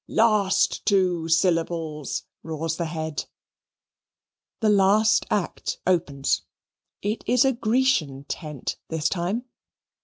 "Last two syllables," roars the head. The last act opens. It is a Grecian tent this time.